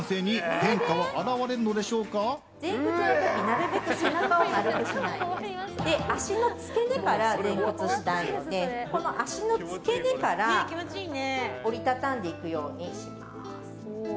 前屈の時、なるべく背中を丸めないで足の付け根から全屈したいので足の付け根から折り畳んでいくようにします。